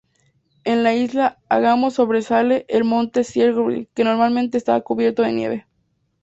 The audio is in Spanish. En la isla Angamos sobresale el monte Siegfried que normalmente está cubierto de nieve.